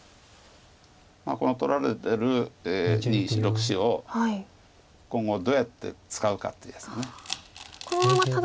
この取られてる２４６子を今後どうやって使うかっていうやつで。